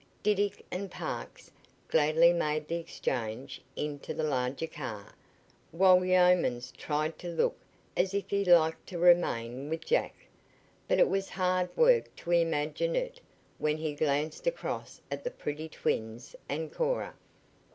Diddick and Parks gladly made the exchange into the larger car, while Youmans tried to look as if he liked to remain with Jack. But it was hard work to imagine it when he glanced across at the pretty twins and Cora.